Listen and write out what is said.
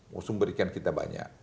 masa kita berikan kita banyak